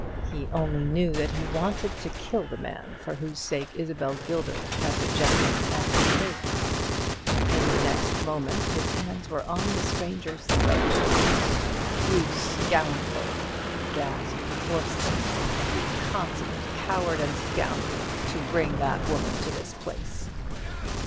He only knew that he wanted to kill the man for whose sake Isabel Gilbert had rejected and betrayed him. In the next moment his hands were on the stranger's throat. "You scoundrel!" he gasped, hoarsely, "you consummate coward and scoundrel, to bring that woman to this place!"